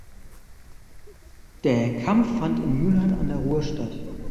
Der Kampf fand in Mülheim an der Ruhr statt.